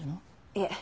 いえ。